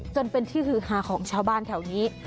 จนเป็นที่ฮือฮาของชาวบ้านแถวนี้